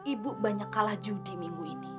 ibu banyak kalah judi minggu ini